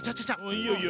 いいよいいよ。